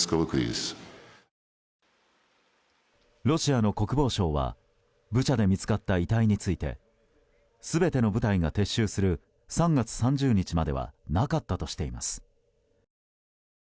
ロシアの国防省はブチャで見つかった遺体について全ての部隊が撤収する３月３０日まではなかったとしています。